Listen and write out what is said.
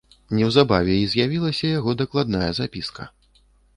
Неўзабаве і з'явілася яго дакладная запіска.